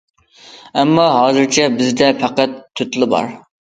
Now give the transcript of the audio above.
ئەمما، ھازىرچە بىزدە پەقەت تۆتىلا بار.